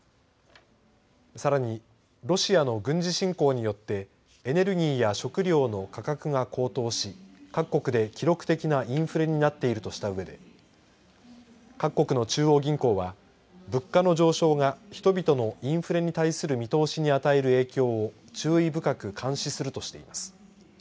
さらにロシアの軍事侵攻によってエネルギーや食糧の価格が高騰し各国で記録的なインフレになっているとしたうえで各国の中央銀行は物価の上昇が人々のインフレに対する見通しに与える影響を注意深く監視するとしています。